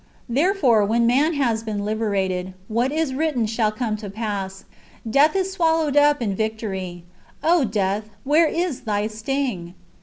Therefore, when man has been liberated, "what is written shall come to pass. Death is swallowed up in victory. O death, where is thy victory? O death, where is thy sting?"